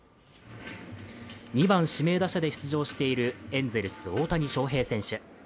２番・指名打者で出場しているエンゼルス・大谷翔平選手。